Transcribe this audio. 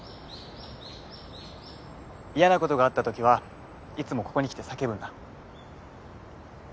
嫌なことがあった時はいつもここに来て叫ぶんだ。